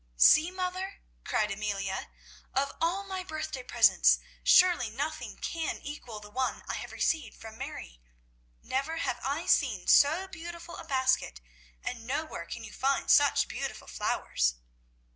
"See, mother," cried Amelia, "of all my birthday presents, surely nothing can equal the one I have received from Mary. Never have I seen so beautiful a basket, and nowhere can you find such beautiful flowers."